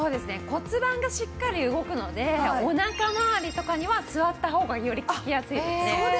骨盤がしっかり動くのでおなかまわりとかには座った方がより効きやすいですね。